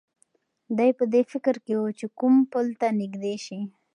دی په دې فکر کې و چې کوم پل ته نږدې شي.